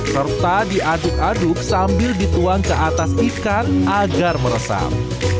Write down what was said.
serta diaduk aduk sambil dituang ke atas ikan agar meresap